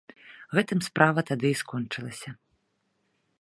Гэтым справа тады і скончылася.